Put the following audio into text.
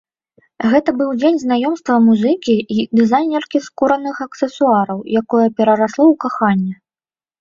Гэта быў дзень знаёмства музыкі і дызайнеркі скураных аксесуараў, якое перарасло ў каханне.